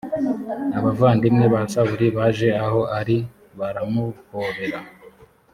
abavandimwe ba sawuli baje aho ari baramuhobera